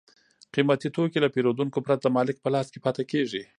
قیمتي توکي له پېرودونکو پرته د مالک په لاس کې پاتې کېږي